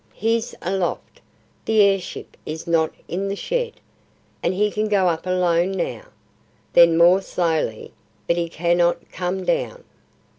"He's aloft; the air ship is not in the shed. And he can go up alone now." Then more slowly: "But he cannot come down."